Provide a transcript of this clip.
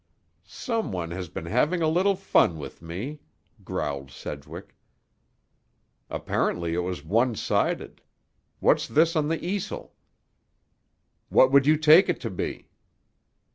"Some one has been having a little fun with me," growled Sedgwick. "Apparently it was one sided. What's this on the easel?" "What would you take it to be?"